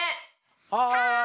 はい！